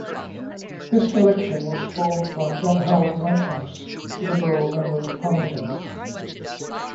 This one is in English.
This collection was formed by John Howard Whitehouse, Liberal Member of Parliament.